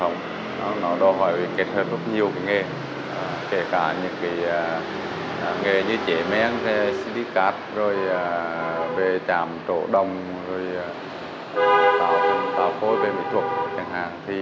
nghề như chế mén xí đi cát về trạm trộn đồng tạo phối về mỹ thuật